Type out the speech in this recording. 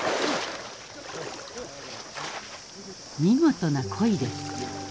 見事なコイです。